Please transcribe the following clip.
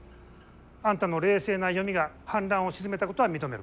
あんたの冷静な読みが反乱を鎮めたことは認める。